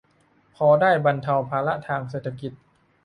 พอได้บรรเทาภาระทางเศรษฐกิจ